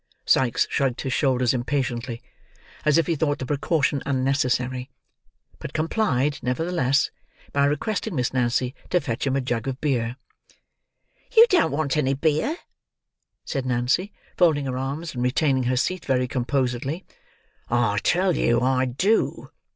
Sikes shrugged his shoulders impatiently, as if he thought the precaution unnecessary; but complied, nevertheless, by requesting Miss Nancy to fetch him a jug of beer. "You don't want any beer," said Nancy, folding her arms, and retaining her seat very composedly. "I tell you I do!"